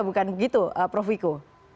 bukan begitu prof wiku